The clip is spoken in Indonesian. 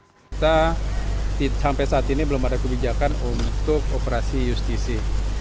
kita sampai saat ini belum ada kebijakan untuk operasi justisi